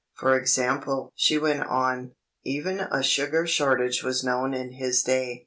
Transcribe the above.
For example (she went on), even a sugar shortage was known in his day.